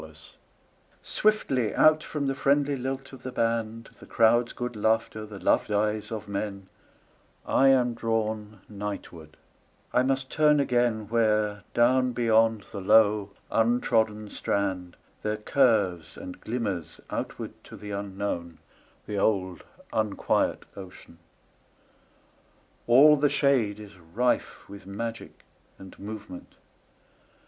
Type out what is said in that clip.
Seaside SWIFTLY out from the friendly lilt of the band, The crowd's good laughter, the loved eyes of men,I am drawn nightward; I must turn againWhere, down beyond the low untrodden strand, There curves and glimmers outward to the unknownThe old unquiet ocean. All the shadeIs rife with magic and movement.